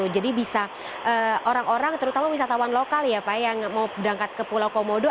jadi bisa orang orang terutama wisatawan lokal yang mau berangkat ke pulau komodo